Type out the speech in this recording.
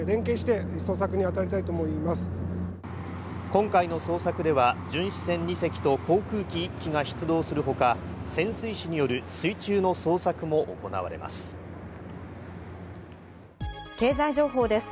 今回の捜索では巡視船２隻と航空機１機が出動するほか、潜水士による水中の捜索も行われます。